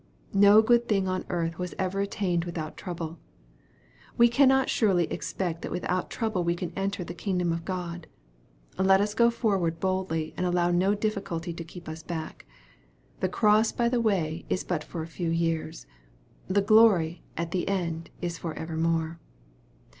No good thing on earth was ever attained without trouble. We cannot surely expect that without trouble we can enter the kingdom of God. Let us go forward boldly, and allow no difficulty to keep us back. The cross by the way is but for a few years. The glory at the end is for evermore.